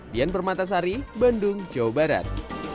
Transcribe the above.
dian permatasari bandung jawa barat